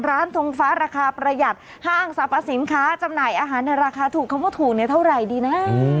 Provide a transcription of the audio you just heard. ทงฟ้าราคาประหยัดห้างสรรพสินค้าจำหน่ายอาหารในราคาถูกคำว่าถูกเนี่ยเท่าไหร่ดีนะ